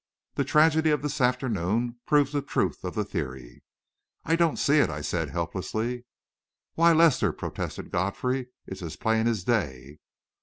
The tragedy of this afternoon proves the truth of the theory." "I don't see it," I said, helplessly. "Why, Lester," protested Godfrey, "it's as plain as day.